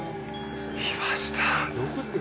いました！